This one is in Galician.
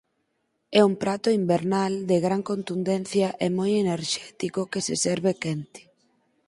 É un prato invernal de gran contundencia e moi enerxético que se serve quente.